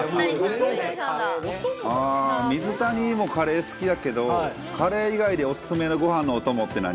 水谷もカレー好きやけど、カレー以外でお勧めのごはんのお供って何？